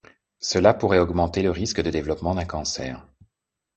Cela pourrait augmenter le risque de développement d'un cancer.